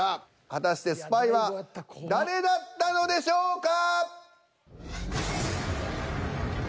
果たしてスパイは誰だったのでしょうか？